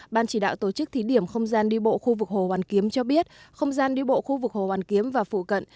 ban chỉ đạo tổ chức thí điểm không gian đi bộ khu vực hồ hoàn kiếm cho biết không gian đi bộ khu vực hồ hoàn kiếm và phụ cận